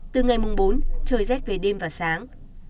từ ngày mùng bốn trời rét về đêm và sáng